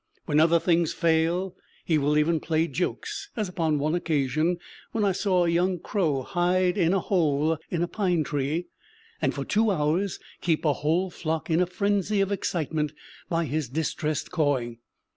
When other things fail he will even play jokes, as upon one occasion when I saw a young crow hide in a hole in a pine tree, and for two hours keep a whole flock in a frenzy of excitement by his distressed cawing.